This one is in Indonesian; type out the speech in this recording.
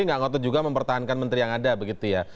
nggak ngotot juga mempertahankan menteri yang ada begitu ya